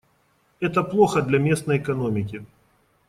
Это плохо для местной экономики.